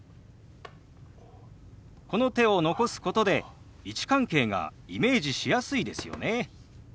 この手を残すことで位置関係がイメージしやすいですよね。